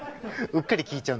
うっかり聴いちゃう。